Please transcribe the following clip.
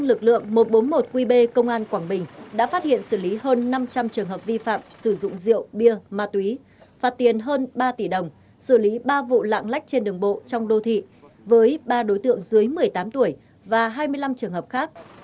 lực lượng một trăm bốn mươi một qb công an quảng bình đã phát hiện xử lý hơn năm trăm linh trường hợp vi phạm sử dụng rượu bia ma túy phạt tiền hơn ba tỷ đồng xử lý ba vụ lạng lách trên đường bộ trong đô thị với ba đối tượng dưới một mươi tám tuổi và hai mươi năm trường hợp khác